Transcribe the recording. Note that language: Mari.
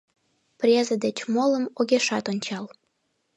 Презе деч молым огешат ончал!